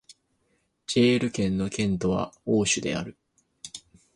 ジェール県の県都はオーシュである